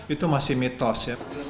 itu masih mitos